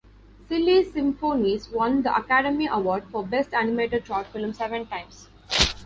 "Silly Symphonies" won the Academy Award for Best Animated Short Film seven times.